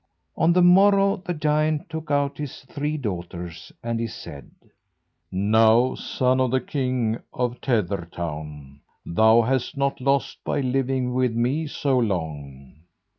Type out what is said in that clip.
On the morrow the giant took out his three daughters, and he said: "Now, son of the king of Tethertown, thou hast not lost by living with me so long.